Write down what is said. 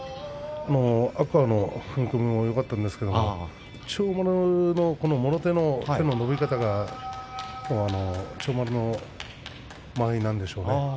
天空海の踏み込みもよかったんですが千代丸のもろ手の手の伸び方が千代丸の間合いなんでしょうね。